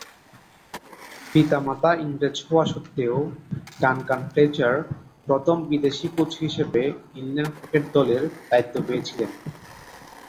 পিতা-মাতা ইংরেজ হওয়া স্বত্ত্বেও ডানকান ফ্লেচার প্রথম বিদেশী কোচ হিসেবে ইংল্যান্ড ক্রিকেট দলের দায়িত্ব পেয়েছিলেন।